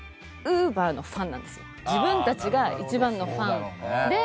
自分たちが一番のファンで。